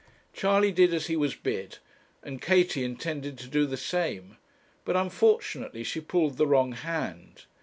Charley did as he was bid, and Katie intended to do the same; but unfortunately she pulled the wrong hand.